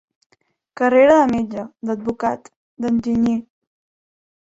Carrera de metge, d'advocat, d'enginyer.